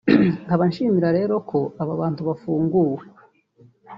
nkaba nshimira rero ko aba bantu bafunguwe